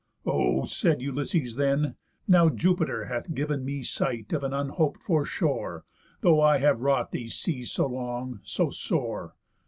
"O," said Ulysses then, "now Jupiter Hath giv'n me sight of an unhop'd for shore, Though I have wrought these seas so long, so sore.